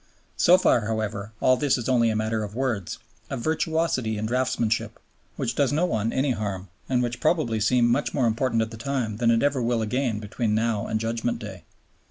So far, however, all this is only a matter of words, of virtuosity in draftsmanship, which does no one any harm, and which probably seemed much more important at the time than it ever will again between now and Judgment Day.